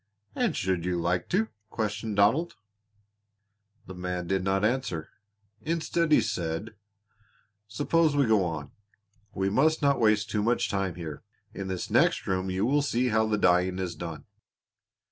"And should you like to?" questioned Donald. The man did not answer; instead he said: "Suppose we go on. We must not waste too much time here. In this next room you will see how the dyeing is done.